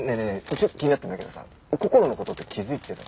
ちょっと気になったんだけどさこころの事って気づいてた？